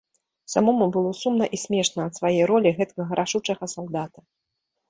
Самому было сумна і смешна ад свае ролі гэткага рашучага салдата.